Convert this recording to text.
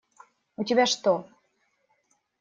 У тебя что?